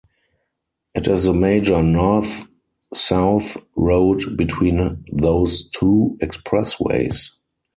It is the major north-south road between those two expressways.